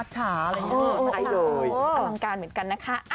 จริง